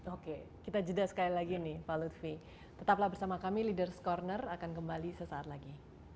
oke kita jeda sekali lagi nih pak lutfi tetaplah bersama kami ⁇ leaders ⁇ corner akan kembali sesaat lagi